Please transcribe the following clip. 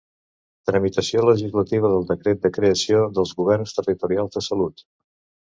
Tramitació legislativa del Decret de creació dels governs territorials de salut.